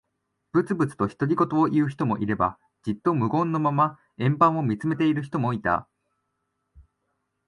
ぶつぶつと独り言を言う人もいれば、じっと無言のまま円盤を見つめている人もいた。